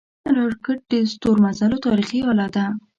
راکټ د ستورمزلو تاریخي اله ده